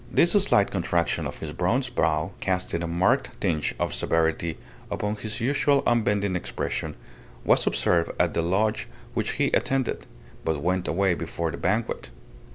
This slight contraction of his bronzed brow casting a marked tinge of severity upon his usual unbending expression, was observed at the Lodge which he attended but went away before the banquet.